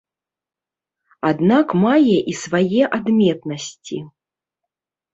Аднак мае і свае адметнасці.